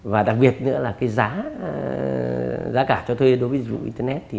và đặc biệt nữa là giá cả cho thuê đối với dụng internet